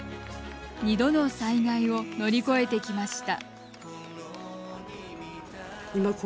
二度の災害を乗り越えてきました。